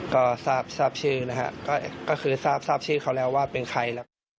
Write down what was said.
ก็ทราบชื่อนะฮะก็คือทราบชื่อเขาแล้วว่าเป็นใคร